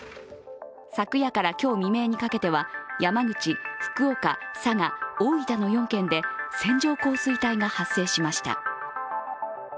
昨夜から今日未明にかけては山口、福岡、佐賀、大分の４県で線状降水帯が発生しました。